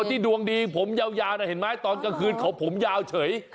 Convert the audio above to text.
ส่วนคนที่ดวงดีผมเยานะเห็นไหมตอนกลางคืนเขาผมเยาเฉย